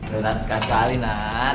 berantakan sekali nak